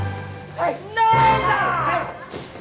はい！